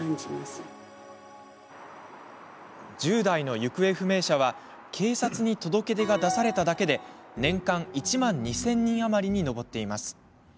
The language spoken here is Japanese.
１０代の行方不明者は警察に届け出が出されただけで年間１万２０００人余りに上っています。